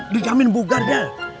dijamin bugar jal